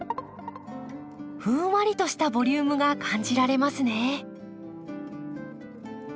ふんわりとしたボリュームが感じられますね。